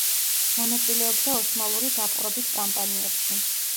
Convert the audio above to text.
მონაწილეობდა ოსმალური დაპყრობით კამპანიებში.